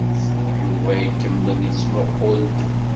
Yuba ikemmel yettmuqqul-d.